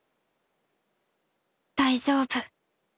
「大丈夫」